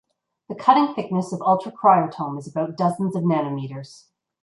The cutting thickness of ultracryotome is about dozens of nanometers.